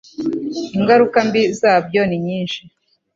ingaruka mbi zabyo ninyinshi